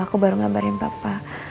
aku baru ngabarin papa